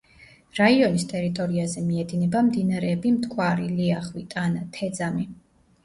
რაიონის ტერიტორიაზე მიედინება მდინარეები მტკვარი, ლიახვი, ტანა, თეძამი.